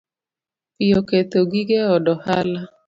Pi oketho gige od ohala